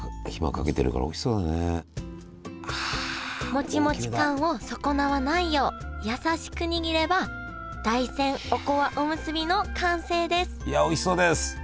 モチモチ感を損なわないよう優しく握れば大山おこわおむすびの完成ですいやおいしそうです！